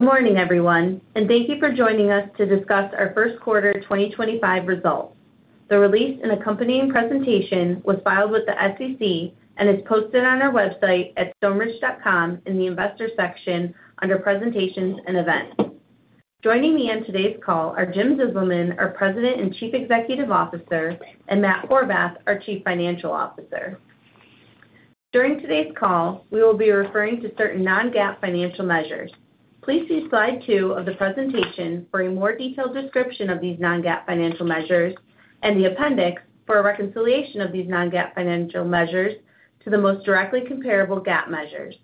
Good morning, everyone, and thank you for joining us to discuss our First Quarter 2025 Results. The release and accompanying presentation was filed with the SEC and is posted on our website at Stoneridge.com in the Investor section under Presentations and Events. Joining me on today's call are Jim Zizelman, our President and Chief Executive Officer, and Matt Horvath, our Chief Financial Officer. During today's call, we will be referring to certain non-GAAP financial measures. Please see slide two of the presentation for a more detailed description of these non-GAAP financial measures and the appendix for a reconciliation of these non-GAAP financial measures to the most directly comparable GAAP measures.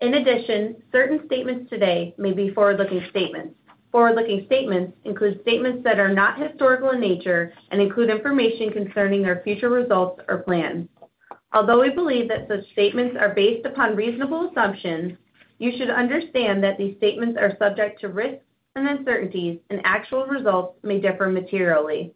In addition, certain statements today may be forward-looking statements. Forward-looking statements include statements that are not historical in nature and include information concerning our future results or plans. Although we believe that such statements are based upon reasonable assumptions, you should understand that these statements are subject to risks and uncertainties, and actual results may differ materially.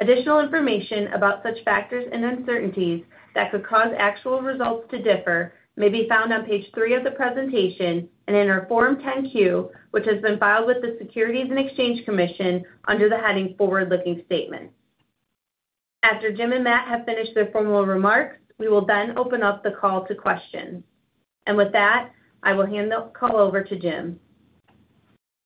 Additional information about such factors and uncertainties that could cause actual results to differ may be found on page three of the presentation and in our Form 10-Q, which has been filed with the Securities and Exchange Commission under the heading Forward-Looking Statements. After Jim and Matt have finished their formal remarks, we will then open up the call to questions. With that, I will hand the call over to Jim.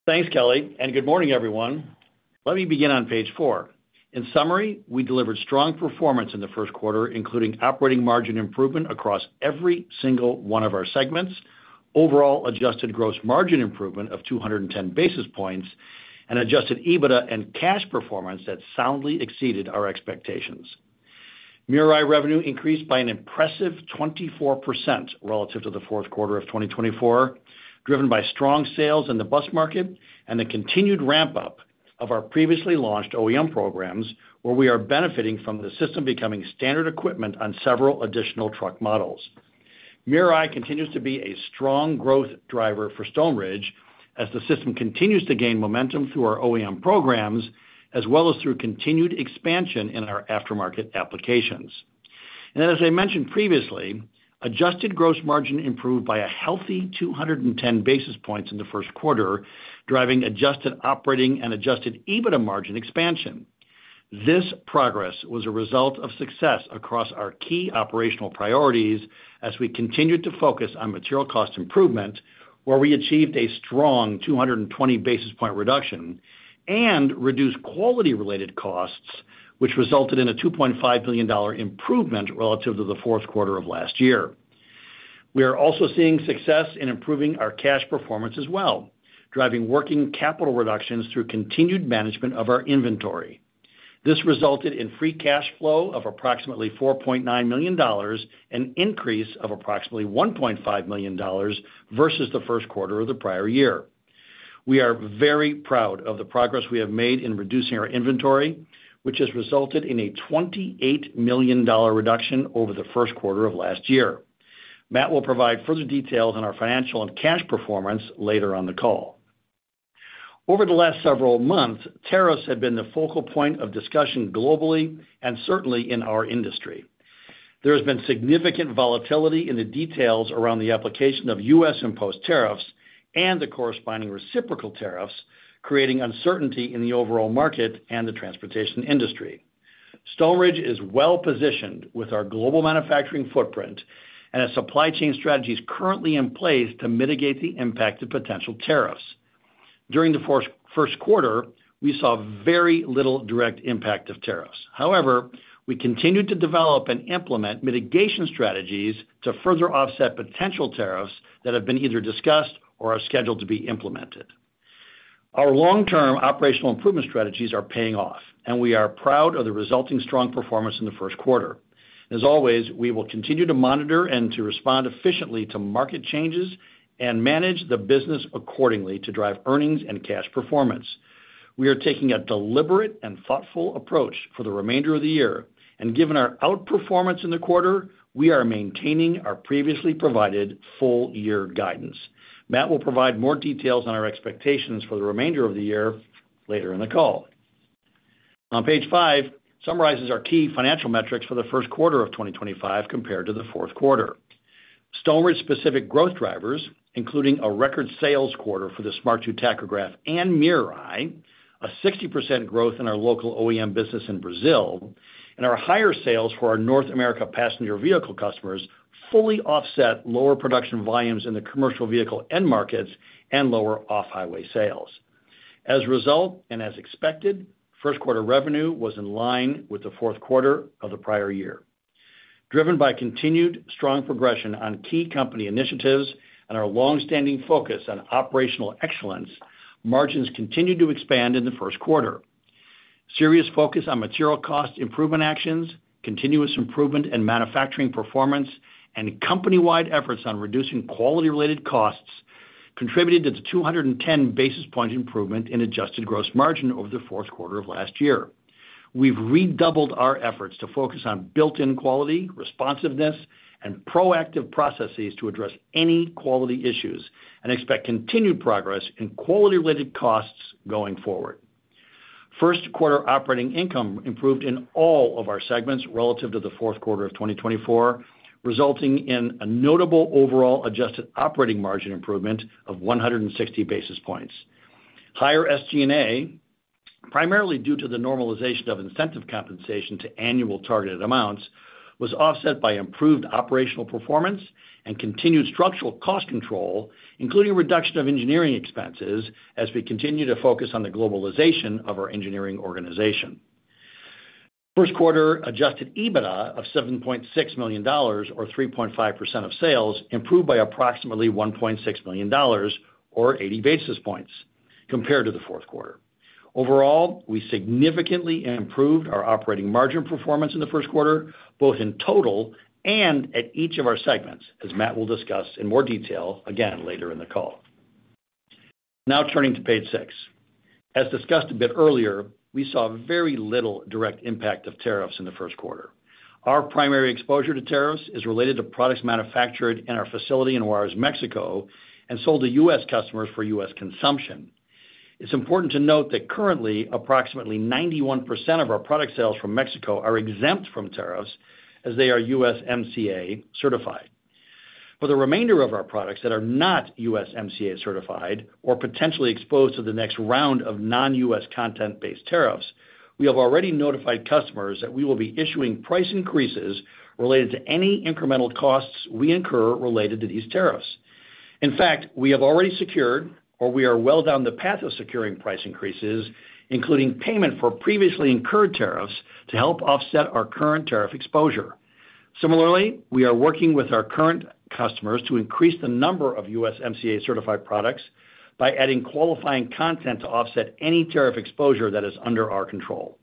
Thanks, Kelly, and good morning, everyone. Let me begin on page four. In summary, we delivered strong performance in the first quarter, including operating margin improvement across every single one of our segments, overall adjusted gross margin improvement of 210 basis points, and adjusted EBITDA and cash performance that soundly exceeded our expectations. MirrorEye revenue increased by an impressive 24% relative to the fourth quarter of 2024, driven by strong sales in the bus market and the continued ramp-up of our previously launched OEM programs, where we are benefiting from the system becoming standard equipment on several additional truck models. MirrorEye continues to be a strong growth driver for Stoneridge as the system continues to gain momentum through our OEM programs as well as through continued expansion in our aftermarket applications. As I mentioned previously, adjusted gross margin improved by a healthy 210 basis points in the first quarter, driving adjusted operating and adjusted EBITDA margin expansion. This progress was a result of success across our key operational priorities as we continued to focus on material cost improvement, where we achieved a strong 220 basis point reduction and reduced quality-related costs, which resulted in a $2.5 million improvement relative to the fourth quarter of last year. We are also seeing success in improving our cash performance as well, driving working capital reductions through continued management of our inventory. This resulted in free cash flow of approximately $4.9 million and an increase of approximately $1.5 million versus the first quarter of the prior year. We are very proud of the progress we have made in reducing our inventory, which has resulted in a $28 million reduction over the first quarter of last year. Matt will provide further details on our financial and cash performance later on the call. Over the last several months, tariffs have been the focal point of discussion globally and certainly in our industry. There has been significant volatility in the details around the application of U.S. imposed tariffs and the corresponding reciprocal tariffs, creating uncertainty in the overall market and the transportation industry. Stoneridge is well-positioned with our global manufacturing footprint and has supply chain strategies currently in place to mitigate the impact of potential tariffs. During the first quarter, we saw very little direct impact of tariffs. However, we continued to develop and implement mitigation strategies to further offset potential tariffs that have been either discussed or are scheduled to be implemented. Our long-term operational improvement strategies are paying off, and we are proud of the resulting strong performance in the first quarter. As always, we will continue to monitor and to respond efficiently to market changes and manage the business accordingly to drive earnings and cash performance. We are taking a deliberate and thoughtful approach for the remainder of the year, and given our outperformance in the quarter, we are maintaining our previously provided full-year guidance. Matt will provide more details on our expectations for the remainder of the year later in the call. On page five, summarizes our key financial metrics for the first quarter of 2025 compared to the fourth quarter. Stoneridge-specific growth drivers, including a record sales quarter for the Smart 2 Tachograph and MirrorEye, a 60% growth in our local OEM business in Brazil, and our higher sales for our North America passenger vehicle customers fully offset lower production volumes in the commercial vehicle end markets and lower off-highway sales. As a result, and as expected, first-quarter revenue was in line with the fourth quarter of the prior year. Driven by continued strong progression on key company initiatives and our long-standing focus on operational excellence, margins continued to expand in the first quarter. Serious focus on material cost improvement actions, continuous improvement in manufacturing performance, and company-wide efforts on reducing quality-related costs contributed to the 210 basis point improvement in adjusted gross margin over the fourth quarter of last year. We've redoubled our efforts to focus on built-in quality, responsiveness, and proactive processes to address any quality issues and expect continued progress in quality-related costs going forward. First-quarter operating income improved in all of our segments relative to the fourth quarter of 2024, resulting in a notable overall adjusted operating margin improvement of 160 basis points. Higher SG&A, primarily due to the normalization of incentive compensation to annual targeted amounts, was offset by improved operational performance and continued structural cost control, including reduction of engineering expenses as we continue to focus on the globalization of our engineering organization. First-quarter adjusted EBITDA of $7.6 million, or 3.5% of sales, improved by approximately $1.6 million, or 80 basis points, compared to the fourth quarter. Overall, we significantly improved our operating margin performance in the first quarter, both in total and at each of our segments, as Matt will discuss in more detail again later in the call. Now turning to page six. As discussed a bit earlier, we saw very little direct impact of tariffs in the first quarter. Our primary exposure to tariffs is related to products manufactured in our facility in Juarez, Mexico, and sold to U.S. customers for U.S. consumption. It's important to note that currently, approximately 91% of our product sales from Mexico are exempt from tariffs as they are USMCA certified. For the remainder of our products that are not USMCA certified or potentially exposed to the next round of non-U.S. content-based tariffs, we have already notified customers that we will be issuing price increases related to any incremental costs we incur related to these tariffs. In fact, we have already secured, or we are well down the path of securing price increases, including payment for previously incurred tariffs to help offset our current tariff exposure. Similarly, we are working with our current customers to increase the number of USMCA certified products by adding qualifying content to offset any tariff exposure that is under our control.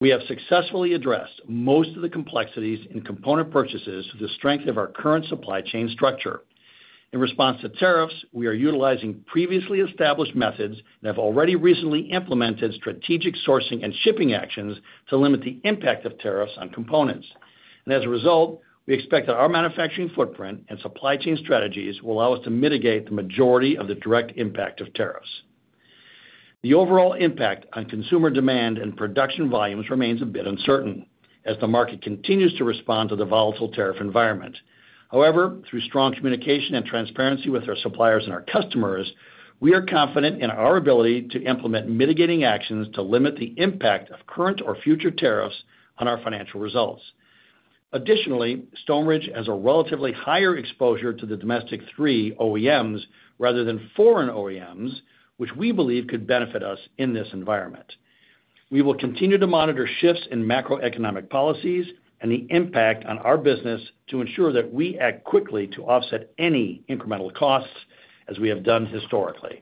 We have successfully addressed most of the complexities in component purchases through the strength of our current supply chain structure. In response to tariffs, we are utilizing previously established methods and have already recently implemented strategic sourcing and shipping actions to limit the impact of tariffs on components. As a result, we expect that our manufacturing footprint and supply chain strategies will allow us to mitigate the majority of the direct impact of tariffs. The overall impact on consumer demand and production volumes remains a bit uncertain as the market continues to respond to the volatile tariff environment. However, through strong communication and transparency with our suppliers and our customers, we are confident in our ability to implement mitigating actions to limit the impact of current or future tariffs on our financial results. Additionally, Stoneridge has a relatively higher exposure to the Domestic Three OEMs rather than foreign OEMs, which we believe could benefit us in this environment. We will continue to monitor shifts in macroeconomic policies and the impact on our business to ensure that we act quickly to offset any incremental costs as we have done historically.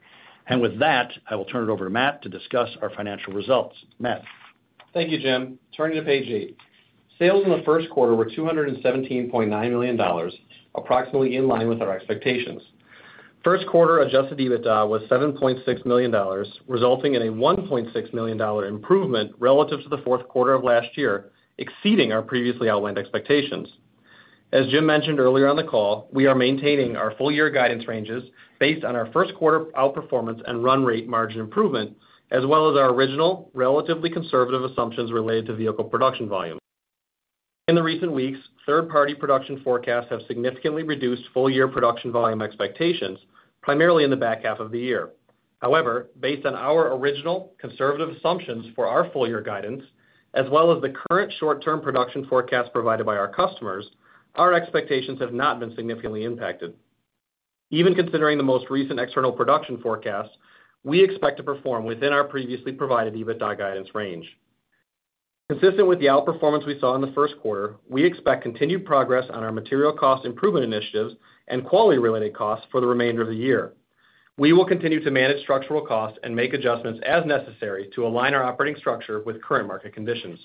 With that, I will turn it over to Matt to discuss our financial results. Matt. Thank you, Jim. Turning to page eight. Sales in the first quarter were $217.9 million, approximately in line with our expectations. First-quarter adjusted EBITDA was $7.6 million, resulting in a $1.6 million improvement relative to the fourth quarter of last year, exceeding our previously outlined expectations. As Jim mentioned earlier on the call, we are maintaining our full-year guidance ranges based on our first-quarter outperformance and run rate margin improvement, as well as our original relatively conservative assumptions related to vehicle production volume. In the recent weeks, third-party production forecasts have significantly reduced full-year production volume expectations, primarily in the back half of the year. However, based on our original conservative assumptions for our full-year guidance, as well as the current short-term production forecast provided by our customers, our expectations have not been significantly impacted. Even considering the most recent external production forecasts, we expect to perform within our previously provided EBITDA guidance range. Consistent with the outperformance we saw in the first quarter, we expect continued progress on our material cost improvement initiatives and quality-related costs for the remainder of the year. We will continue to manage structural costs and make adjustments as necessary to align our operating structure with current market conditions.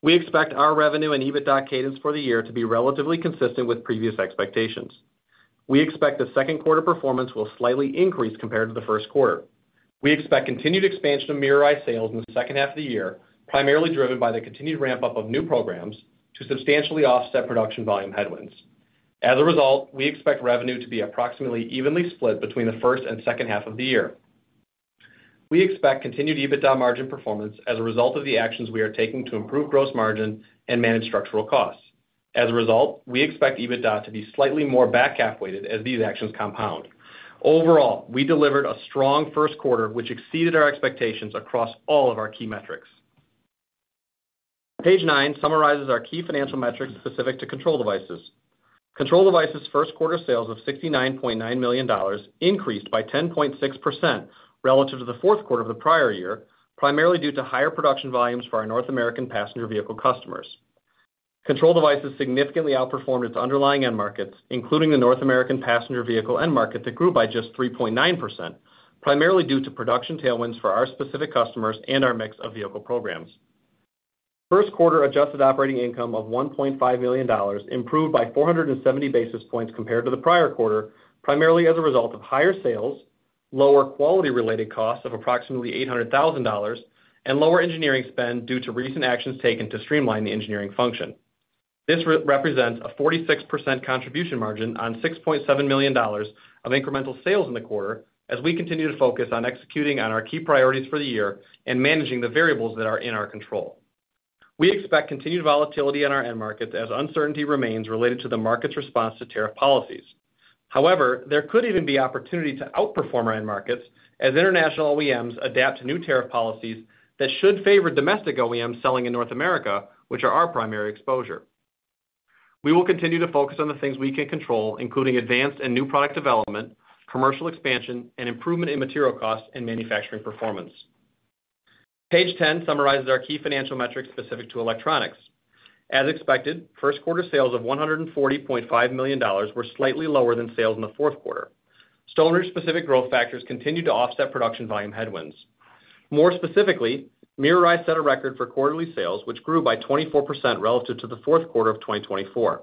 We expect our revenue and EBITDA cadence for the year to be relatively consistent with previous expectations. We expect the second quarter performance will slightly increase compared to the first quarter. We expect continued expansion of MirrorEye sales in the second half of the year, primarily driven by the continued ramp-up of new programs to substantially offset production volume headwinds. As a result, we expect revenue to be approximately evenly split between the first and second half of the year. We expect continued EBITDA margin performance as a result of the actions we are taking to improve gross margin and manage structural costs. As a result, we expect EBITDA to be slightly more back half-weighted as these actions compound. Overall, we delivered a strong first quarter, which exceeded our expectations across all of our key metrics. Page nine summarizes our key financial metrics specific to Control Devices. Control Devices' first-quarter sales of $69.9 million increased by 10.6% relative to the fourth quarter of the prior year, primarily due to higher production volumes for our North American passenger vehicle customers. Control Devices significantly outperformed its underlying end markets, including the North American passenger vehicle end market that grew by just 3.9%, primarily due to production tailwinds for our specific customers and our mix of vehicle programs. First-quarter adjusted operating income of $1.5 million improved by 470 basis points compared to the prior quarter, primarily as a result of higher sales, lower quality-related costs of approximately $800,000, and lower engineering spend due to recent actions taken to streamline the engineering function. This represents a 46% contribution margin on $6.7 million of incremental sales in the quarter as we continue to focus on executing on our key priorities for the year and managing the variables that are in our control. We expect continued volatility in our end markets as uncertainty remains related to the market's response to tariff policies. However, there could even be opportunity to outperform our end markets as international OEMs adapt to new tariff policies that should favor domestic OEMs selling in North America, which are our primary exposure. We will continue to focus on the things we can control, including advanced and new product development, commercial expansion, and improvement in material costs and manufacturing performance. Page 10 summarizes our key financial metrics specific to Electronics. As expected, first-quarter sales of $140.5 million were slightly lower than sales in the fourth quarter. Stoneridge-specific growth factors continued to offset production volume headwinds. More specifically, MirrorEye set a record for quarterly sales, which grew by 24% relative to the fourth quarter of 2024.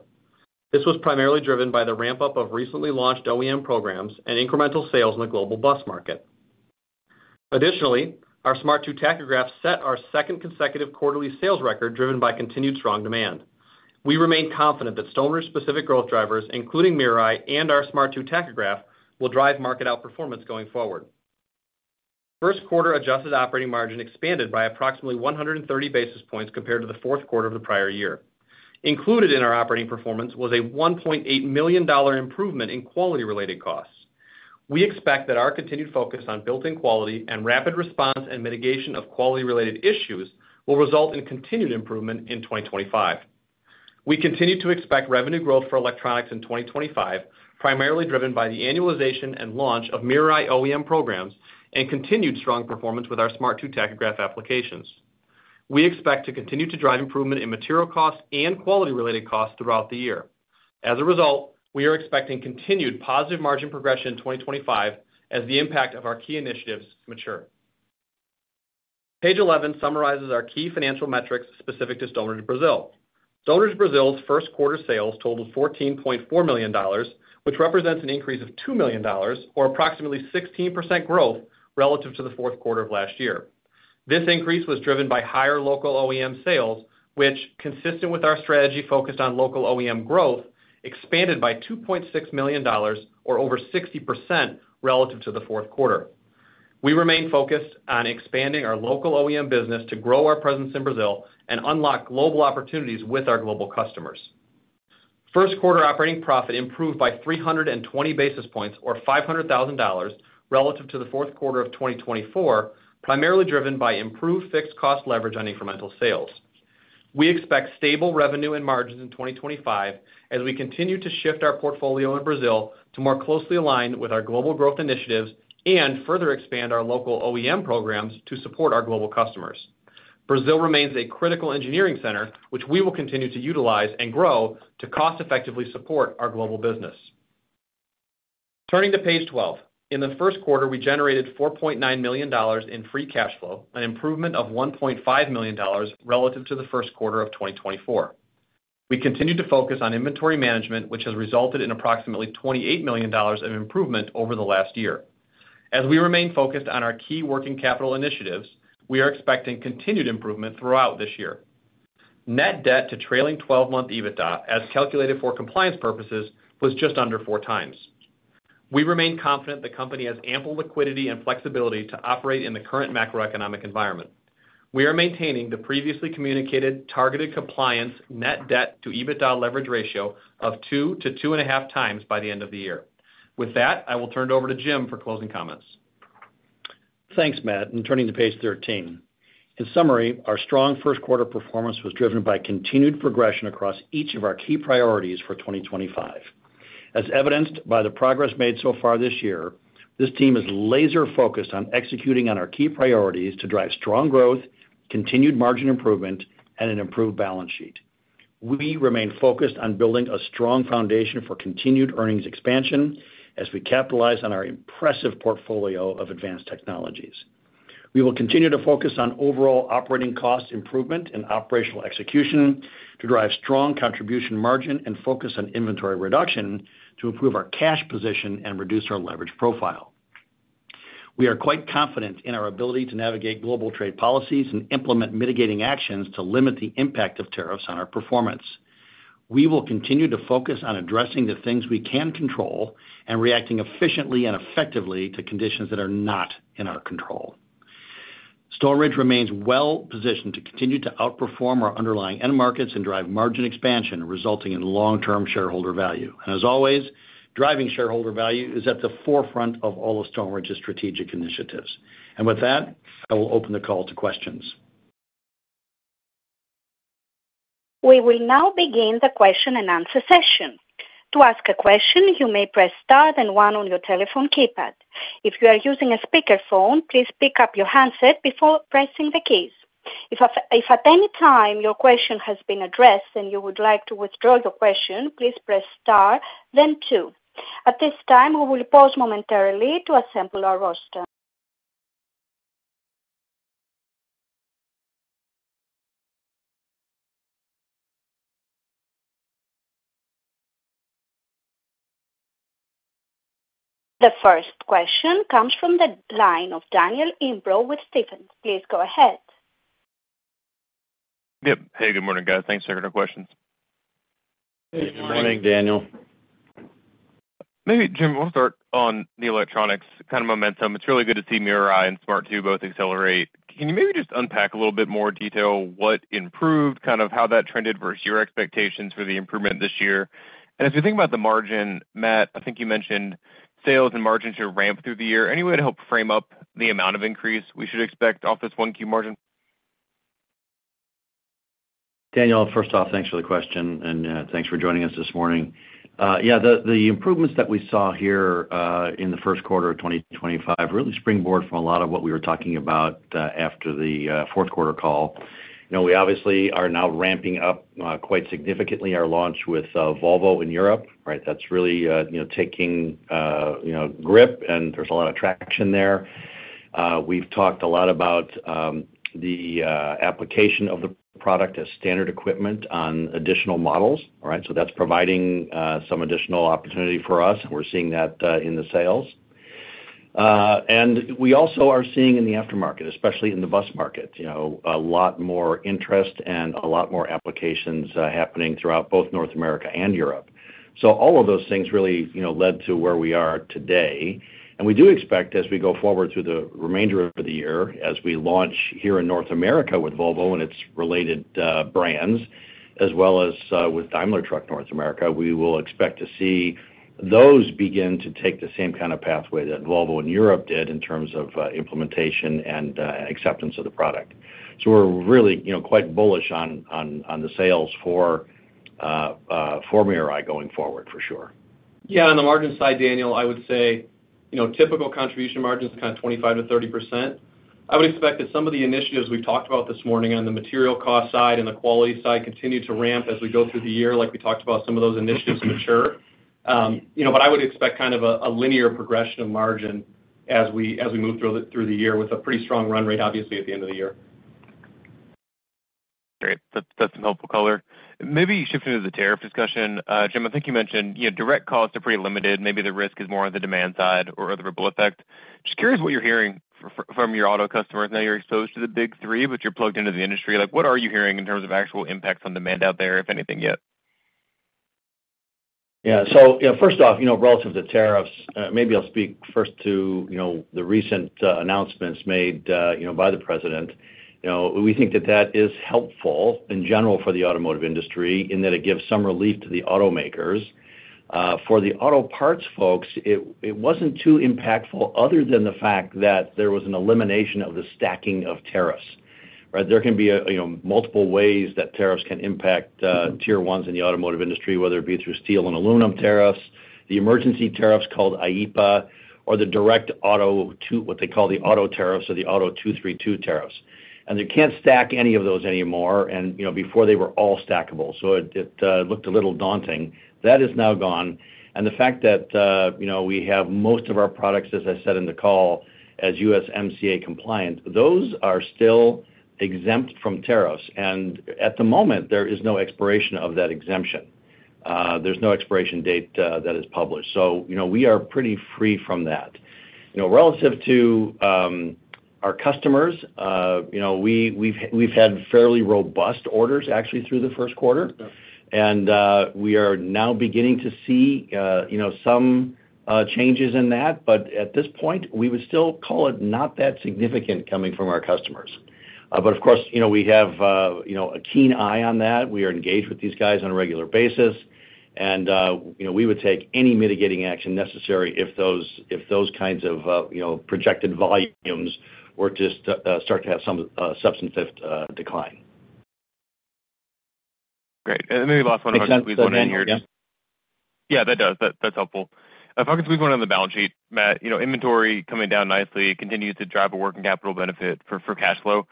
This was primarily driven by the ramp-up of recently launched OEM programs and incremental sales in the global bus market. Additionally, our Smart 2 Tachograph set our second consecutive quarterly sales record driven by continued strong demand. We remain confident that Stoneridge-specific growth drivers, including MirrorEye and our Smart 2 Tachograph, will drive market outperformance going forward. First-quarter adjusted operating margin expanded by approximately 130 basis points compared to the fourth quarter of the prior year. Included in our operating performance was a $1.8 million improvement in quality-related costs. We expect that our continued focus on built-in quality and rapid response and mitigation of quality-related issues will result in continued improvement in 2025. We continue to expect revenue growth for electronics in 2025, primarily driven by the annualization and launch of MirrorEye OEM programs and continued strong performance with our Smart 2 tachograph applications. We expect to continue to drive improvement in material costs and quality-related costs throughout the year. As a result, we are expecting continued positive margin progression in 2025 as the impact of our key initiatives mature. Page 11 summarizes our key financial metrics specific to Stoneridge Brazil. Stoneridge Brazil's first-quarter sales totaled $14.4 million, which represents an increase of $2 million, or approximately 16% growth relative to the fourth quarter of last year. This increase was driven by higher local OEM sales, which, consistent with our strategy focused on local OEM growth, expanded by $2.6 million, or over 60% relative to the fourth quarter. We remain focused on expanding our local OEM business to grow our presence in Brazil and unlock global opportunities with our global customers. First-quarter operating profit improved by 320 basis points, or $500,000, relative to the fourth quarter of 2024, primarily driven by improved fixed cost leverage on incremental sales. We expect stable revenue and margins in 2025 as we continue to shift our portfolio in Brazil to more closely align with our global growth initiatives and further expand our local OEM programs to support our global customers. Brazil remains a critical engineering center, which we will continue to utilize and grow to cost-effectively support our global business. Turning to page 12, in the first quarter, we generated $4.9 million in free cash flow, an improvement of $1.5 million relative to the first quarter of 2024. We continue to focus on inventory management, which has resulted in approximately $28 million of improvement over the last year. As we remain focused on our key working capital initiatives, we are expecting continued improvement throughout this year. Net debt to trailing 12-month EBITDA, as calculated for compliance purposes, was just under four times. We remain confident the company has ample liquidity and flexibility to operate in the current macroeconomic environment. We are maintaining the previously communicated targeted compliance net debt to EBITDA leverage ratio of 2-2.5 times by the end of the year. With that, I will turn it over to Jim for closing comments. Thanks, Matt. Turning to page 13, in summary, our strong first-quarter performance was driven by continued progression across each of our key priorities for 2025. As evidenced by the progress made so far this year, this team is laser-focused on executing on our key priorities to drive strong growth, continued margin improvement, and an improved balance sheet. We remain focused on building a strong foundation for continued earnings expansion as we capitalize on our impressive portfolio of advanced technologies. We will continue to focus on overall operating cost improvement and operational execution to drive strong contribution margin and focus on inventory reduction to improve our cash position and reduce our leverage profile. We are quite confident in our ability to navigate global trade policies and implement mitigating actions to limit the impact of tariffs on our performance. We will continue to focus on addressing the things we can control and reacting efficiently and effectively to conditions that are not in our control. Stoneridge remains well-positioned to continue to outperform our underlying end markets and drive margin expansion, resulting in long-term shareholder value. As always, driving shareholder value is at the forefront of all of Stoneridge's strategic initiatives. With that, I will open the call to questions. We will now begin the question and answer session. To ask a question, you may press Star then 1 on your telephone keypad. If you are using a speakerphone, please pick up your handset before pressing the keys. If at any time your question has been addressed and you would like to withdraw your question, please press Star, then 2. At this time, we will pause momentarily to assemble our roster. The first question comes from the line of Daniel Imbro with Stephens. Please go ahead. Yep. Hey, good morning, guys. Thanks for taking our questions. Hey, good morning, Daniel. Maybe, Jim, we'll start on the electronics kind of momentum. It's really good to see MirrorEye and Smart 2 both accelerate. Can you maybe just unpack a little bit more detail what improved, kind of how that trended versus your expectations for the improvement this year? If you think about the margin, Matt, I think you mentioned sales and margins should ramp through the year. Any way to help frame up the amount of increase we should expect off this one key margin? Daniel, first off, thanks for the question and thanks for joining us this morning. Yeah, the improvements that we saw here in the first quarter of 2025 really springboard for a lot of what we were talking about after the fourth quarter call. We obviously are now ramping up quite significantly our launch with Volvo in Europe. That's really taking grip, and there's a lot of traction there. We have talked a lot about the application of the product as standard equipment on additional models. That is providing some additional opportunity for us, and we are seeing that in the sales. We also are seeing in the aftermarket, especially in the bus market, a lot more interest and a lot more applications happening throughout both North America and Europe. All of those things really led to where we are today. We do expect, as we go forward through the remainder of the year, as we launch here in North America with Volvo and its related brands, as well as with Daimler Truck North America, we will expect to see those begin to take the same kind of pathway that Volvo in Europe did in terms of implementation and acceptance of the product. We are really quite bullish on the sales for MirrorEye going forward, for sure. Yeah. On the margin side, Daniel, I would say typical contribution margin is kind of 25-30%. I would expect that some of the initiatives we've talked about this morning on the material cost side and the quality side continue to ramp as we go through the year, like we talked about some of those initiatives mature. I would expect kind of a linear progression of margin as we move through the year with a pretty strong run rate, obviously, at the end of the year. That's great. That's some helpful color. Maybe shifting to the tariff discussion, Jim, I think you mentioned direct costs are pretty limited. Maybe the risk is more on the demand side or the ripple effect. Just curious what you're hearing from your auto customers. Now you're exposed to the big three, but you're plugged into the industry. What are you hearing in terms of actual impacts on demand out there, if anything yet? Yeah. First off, relative to tariffs, maybe I'll speak first to the recent announcements made by the president. We think that that is helpful in general for the automotive industry in that it gives some relief to the automakers. For the auto parts folks, it wasn't too impactful other than the fact that there was an elimination of the stacking of tariffs. There can be multiple ways that tariffs can impact tier ones in the automotive industry, whether it be through steel and aluminum tariffs, the emergency tariffs called IEEPA, or the direct auto, what they call the auto tariffs or the auto 232 tariffs. You can't stack any of those anymore, and before they were all stackable, so it looked a little daunting. That is now gone. The fact that we have most of our products, as I said in the call, as USMCA compliant, those are still exempt from tariffs. At the moment, there is no expiration of that exemption. There is no expiration date that is published. We are pretty free from that. Relative to our customers, we've had fairly robust orders actually through the first quarter. We are now beginning to see some changes in that. At this point, we would still call it not that significant coming from our customers. Of course, we have a keen eye on that. We are engaged with these guys on a regular basis. We would take any mitigating action necessary if those kinds of projected volumes were to start to have some substantive decline. Great. Maybe last one on the focus point on yours. Excellent. Yeah. Yeah, that does. That's helpful. Focus groups went on the balance sheet, Matt, inventory coming down nicely, continues to drive a working capital benefit for cash flow.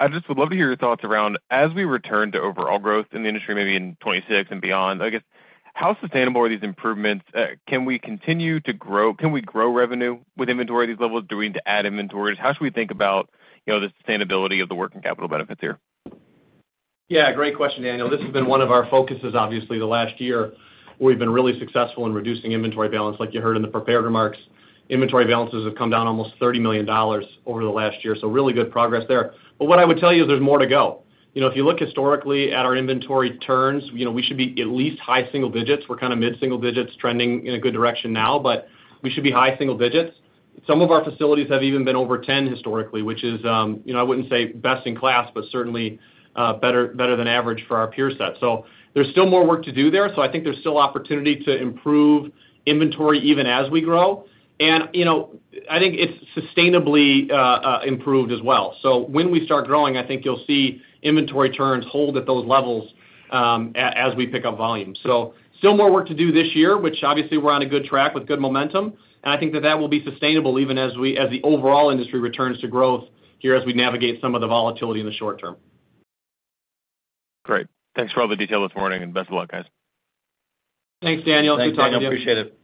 I just would love to hear your thoughts around, as we return to overall growth in the industry, maybe in 2026 and beyond, I guess, how sustainable are these improvements? Can we continue to grow? Can we grow revenue with inventory at these levels? Do we need to add inventories? How should we think about the sustainability of the working capital benefits here? Yeah. Great question, Daniel. This has been one of our focuses, obviously, the last year where we've been really successful in reducing inventory balance, like you heard in the prepared remarks. Inventory balances have come down almost $30 million over the last year. Really good progress there. What I would tell you is there's more to go. If you look historically at our inventory turns, we should be at least high single digits. We're kind of mid-single digits, trending in a good direction now, but we should be high single digits. Some of our facilities have even been over 10 historically, which is, I wouldn't say best in class, but certainly better than average for our peer set. There's still more work to do there. I think there's still opportunity to improve inventory even as we grow. I think it's sustainably improved as well. When we start growing, I think you'll see inventory turns hold at those levels as we pick up volume. Still more work to do this year, which obviously we're on a good track with good momentum. I think that that will be sustainable even as the overall industry returns to growth here as we navigate some of the volatility in the short term. Great. Thanks for all the detail this morning, and best of luck, guys. Thanks, Daniel. Good talking to you. Thank you. Appreciate it.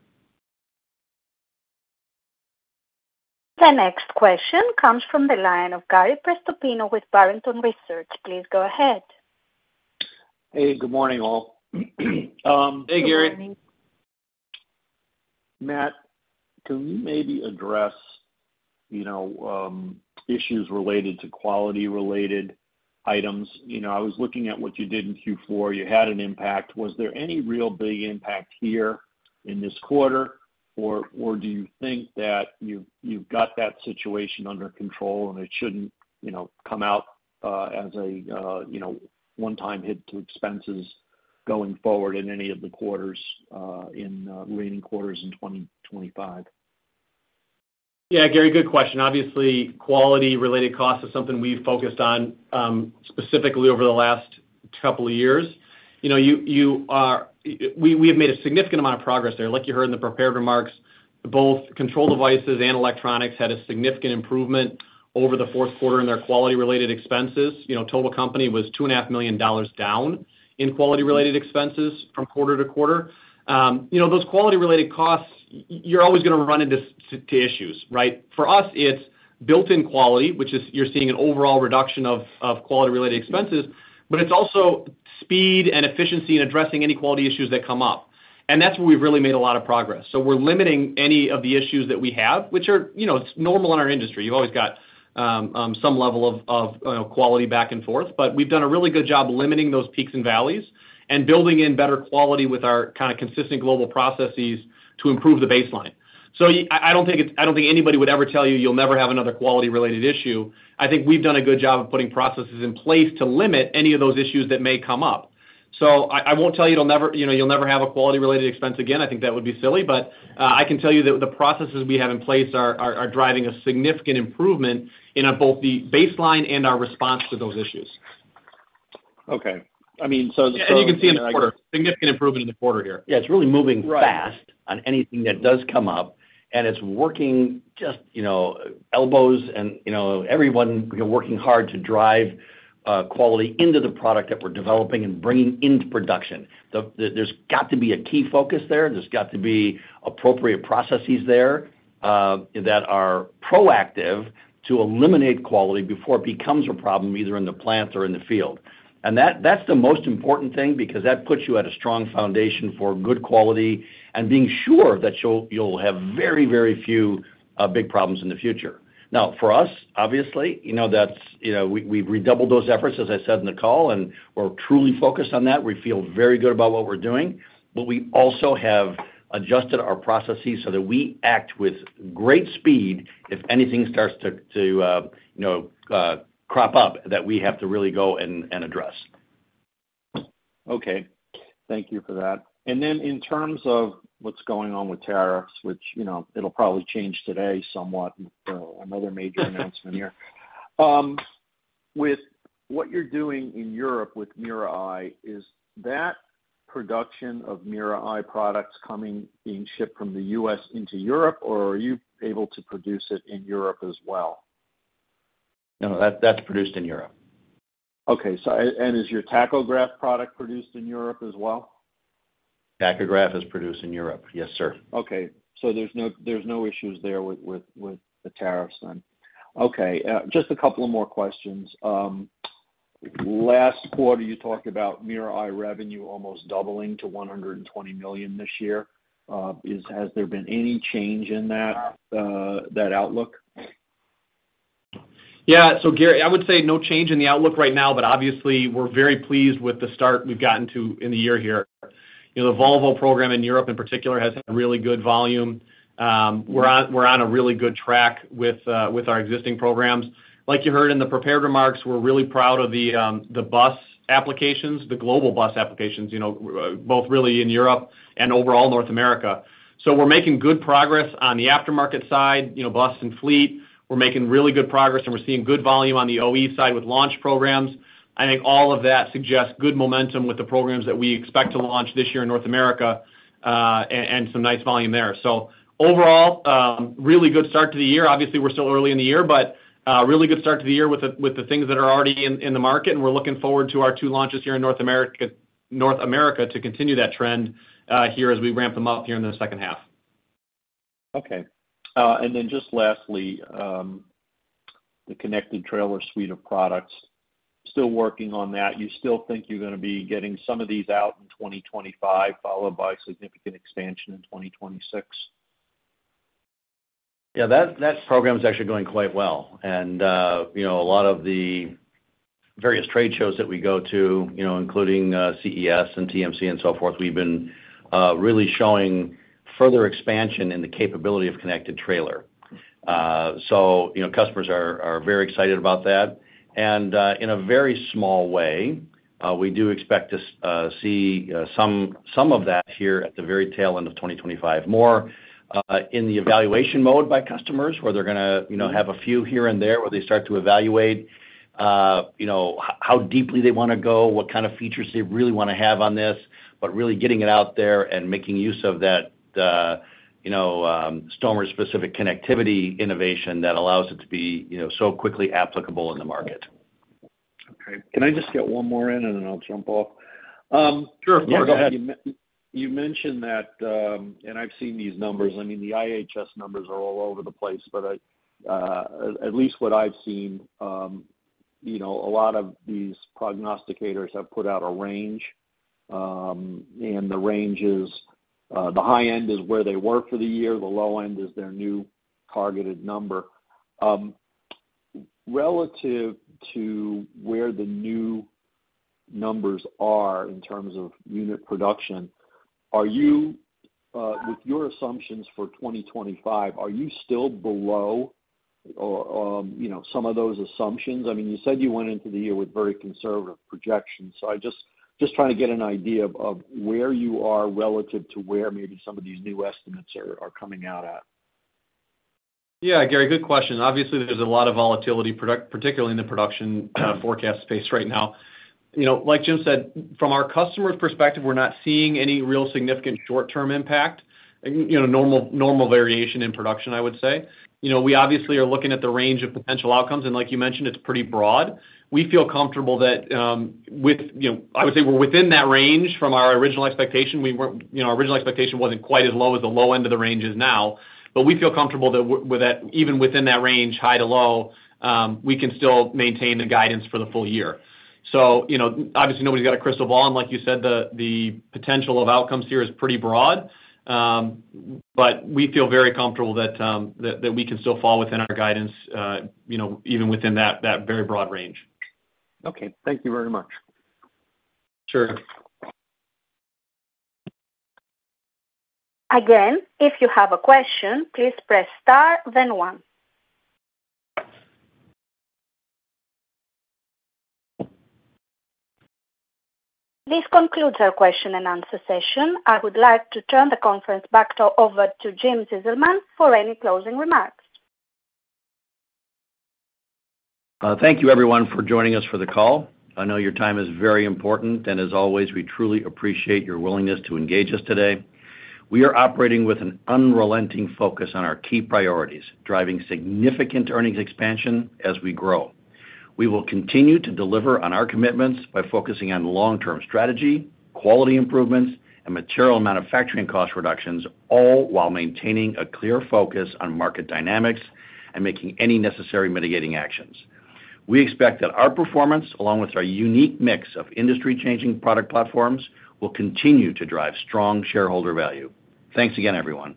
The next question comes from the line of Gary Prestopino with Barrington Research. Please go ahead. Hey, good morning, all. Hey, Gary. Good morning. Matt, can you maybe address issues related to quality-related items? I was looking at what you did in Q4. You had an impact. Was there any real big impact here in this quarter, or do you think that you've got that situation under control and it shouldn't come out as a one-time hit to expenses going forward in any of the quarters, in remaining quarters in 2025? Yeah, Gary, good question. Obviously, quality-related costs is something we've focused on specifically over the last couple of years. We have made a significant amount of progress there. Like you heard in the prepared remarks, both Control Devices and Electronics had a significant improvement over the fourth quarter in their quality-related expenses. Total company was $2.5 million down in quality-related expenses from quarter to quarter. Those quality-related costs, you're always going to run into issues. For us, it's built-in quality, which is you're seeing an overall reduction of quality-related expenses, but it's also speed and efficiency in addressing any quality issues that come up. That's where we've really made a lot of progress. We're limiting any of the issues that we have, which are normal in our industry. You've always got some level of quality back and forth, but we've done a really good job limiting those peaks and valleys and building in better quality with our kind of consistent global processes to improve the baseline. I don't think anybody would ever tell you you'll never have another quality-related issue. I think we've done a good job of putting processes in place to limit any of those issues that may come up. I won't tell you you'll never have a quality-related expense again. I think that would be silly. I can tell you that the processes we have in place are driving a significant improvement in both the baseline and our response to those issues. Okay. I mean, so the quarter. You can see a significant improvement in the quarter here. Yeah. It's really moving fast on anything that does come up, and it's working just elbows and everyone working hard to drive quality into the product that we're developing and bringing into production. There's got to be a key focus there. There's got to be appropriate processes there that are proactive to eliminate quality before it becomes a problem either in the plant or in the field. That's the most important thing because that puts you at a strong foundation for good quality and being sure that you'll have very, very few big problems in the future. Now, for us, obviously, we've redoubled those efforts, as I said in the call, and we're truly focused on that. We feel very good about what we're doing, but we also have adjusted our processes so that we act with great speed if anything starts to crop up that we have to really go and address. Okay. Thank you for that. In terms of what's going on with tariffs, which it'll probably change today somewhat, another major announcement here. With what you're doing in Europe with MirrorEye, is that production of MirrorEye products coming, being shipped from the U.S. into Europe, or are you able to produce it in Europe as well? No, that's produced in Europe. Okay. Is your Tachograph product produced in Europe as well? Tachograph is produced in Europe. Yes, sir. Okay. There is no issues there with the tariffs then. Okay. Just a couple more questions. Last quarter, you talked about MirrorEye revenue almost doubling to $120 million this year. Has there been any change in that outlook? Yeah. Gary, I would say no change in the outlook right now, but obviously, we're very pleased with the start we've gotten to in the year here. The Volvo program in Europe, in particular, has had really good volume. We're on a really good track with our existing programs. Like you heard in the prepared remarks, we're really proud of the bus applications, the global bus applications, both really in Europe and overall North America. We're making good progress on the aftermarket side, bus and fleet. We're making really good progress, and we're seeing good volume on the OE side with launch programs. I think all of that suggests good momentum with the programs that we expect to launch this year in North America and some nice volume there. Overall, really good start to the year. Obviously, we're still early in the year, but really good start to the year with the things that are already in the market, and we're looking forward to our two launches here in North America to continue that trend here as we ramp them up here in the second half. Okay. And then just lastly, the Connected Trailer suite of products, still working on that. You still think you're going to be getting some of these out in 2025, followed by significant expansion in 2026? Yeah. That program is actually going quite well. At a lot of the various trade shows that we go to, including CES and TMC and so forth, we've been really showing further expansion in the capability of Connected Trailer. Customers are very excited about that. In a very small way, we do expect to see some of that here at the very tail end of 2025. More in the evaluation mode by customers, where they're going to have a few here and there where they start to evaluate how deeply they want to go, what kind of features they really want to have on this, but really getting it out there and making use of that Stoneridge-specific connectivity innovation that allows it to be so quickly applicable in the market. Okay. Can I just get one more in, and then I'll jump off? Sure. Yeah. Go ahead. You mentioned that, and I've seen these numbers. I mean, the IHS numbers are all over the place, but at least what I've seen, a lot of these prognosticators have put out a range, and the high end is where they were for the year. The low end is their new targeted number. Relative to where the new numbers are in terms of unit production, with your assumptions for 2025, are you still below some of those assumptions? I mean, you said you went into the year with very conservative projections. I'm just trying to get an idea of where you are relative to where maybe some of these new estimates are coming out at. Yeah, Gary, good question. Obviously, there's a lot of volatility, particularly in the production forecast space right now. Like Jim said, from our customer's perspective, we're not seeing any real significant short-term impact, normal variation in production, I would say. We obviously are looking at the range of potential outcomes, and like you mentioned, it's pretty broad. We feel comfortable that with I would say we're within that range from our original expectation. Our original expectation wasn't quite as low as the low end of the range is now, but we feel comfortable that even within that range, high to low, we can still maintain the guidance for the full year. Obviously, nobody's got a crystal ball. Like you said, the potential of outcomes here is pretty broad, but we feel very comfortable that we can still fall within our guidance even within that very broad range. Okay. Thank you very much. Sure. Again, if you have a question, please press star, then one. This concludes our question and answer session. I would like to turn the conference back over to Jim Zizelman for any closing remarks. Thank you, everyone, for joining us for the call. I know your time is very important, and as always, we truly appreciate your willingness to engage us today. We are operating with an unrelenting focus on our key priorities, driving significant earnings expansion as we grow. We will continue to deliver on our commitments by focusing on long-term strategy, quality improvements, and material manufacturing cost reductions, all while maintaining a clear focus on market dynamics and making any necessary mitigating actions. We expect that our performance, along with our unique mix of industry-changing product platforms, will continue to drive strong shareholder value. Thanks again, everyone.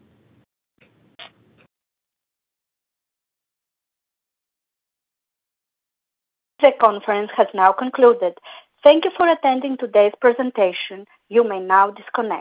The conference has now concluded. Thank you for attending today's presentation. You may now disconnect.